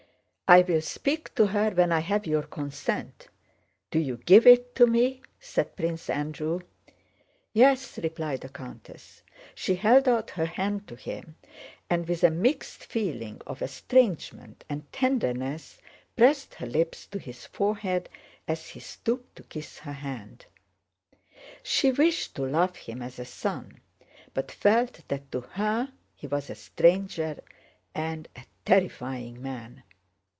"I will speak to her when I have your consent.... Do you give it to me?" said Prince Andrew. "Yes," replied the countess. She held out her hand to him, and with a mixed feeling of estrangement and tenderness pressed her lips to his forehead as he stooped to kiss her hand. She wished to love him as a son, but felt that to her he was a stranger and a terrifying man.